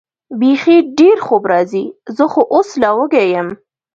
بېخي ډېر خوب راځي، زه خو اوس لا وږی یم.